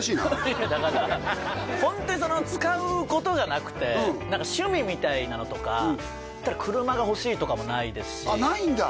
いやだからホントに使うことがなくて何か趣味みたいなのとか車が欲しいとかもないですしあっないんだ